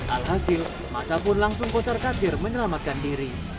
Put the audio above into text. alhasil masa pun langsung pocar katsir menyelamatkan diri